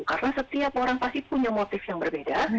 karena setiap orang pasti punya motif yang berbeda